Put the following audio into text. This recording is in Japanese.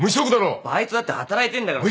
バイトだって働いてんだからさ。